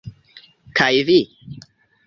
Kaj vi?